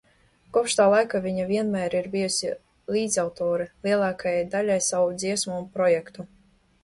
Kopš tā laika viņa vienmēr ir bijusi līdzautore lielākajai daļai savu dziesmu un projektu.